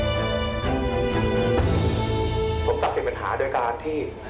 นี่ก็ที่ดูรูปแบบการที่ดี